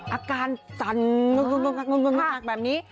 อาการจันแบบนี้